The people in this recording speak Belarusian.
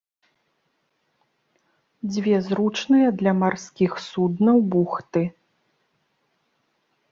Дзве зручныя для марскіх суднаў бухты.